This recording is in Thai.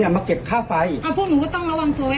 พี่บริสุจัยพี่ก็ให้หนูดูแค่นั้นเองค่ะ